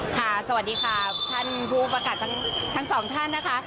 ค่ะสวัสดีค่ะท่านผู้ประกันทั้งทั้งทั้งสองท่านนะคะ